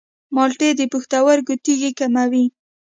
مالټې د پښتورګو تیږې کموي.